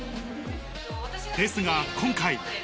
ですが、今回。